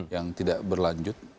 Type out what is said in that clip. yang tidak berlanjut